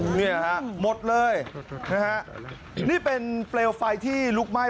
นี่นะครับหมดเลยนะฮะนี่เป็นเปรียวไฟที่ลุกไหม้